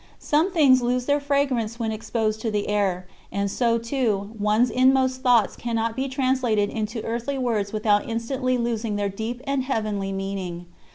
Some things lose their fragrance when exposed to the air, and so, too, one's inmost thoughts cannot be translated into earthly words without instantly losing their deep and heavenly meaning.